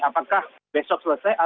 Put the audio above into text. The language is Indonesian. apakah besok selesai